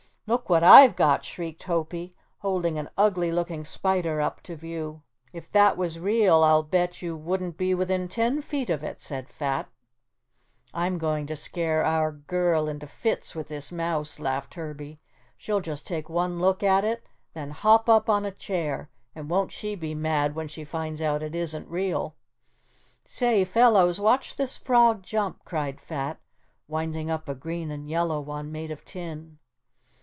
"Look at what I've got," shrieked Hopie, holding an ugly looking spider up to view. "If that was real I'll bet you wouldn't be within ten feet of it," said Fat. "I'm going to scare our girl into fits with this mouse," laughed Herbie. "She'll just take one look at it then hop up on a chair; and won't she be mad when she finds out it isn't real?" "Say, fellows, watch this frog jump," cried Fat, winding up a green and yellow one made of tin.